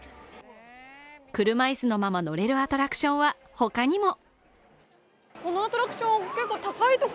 車椅子のまま乗れるアトラクションは他にも。